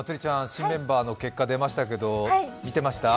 新メンバーの結果が出ましたけど、見てました？